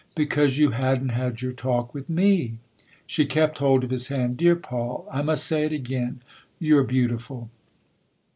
" Because you hadn't had your talk with me ?" She kept hold of his hand. " Dear Paul, I must say it again you're beautiful